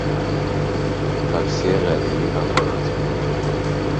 تاکسی قدیمی و قراضه